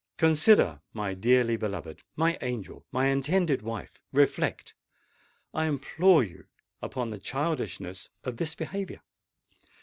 "Consider, my dearly beloved—my angel—my intended wife!—reflect, I implore you, upon the childishness of this behavior!"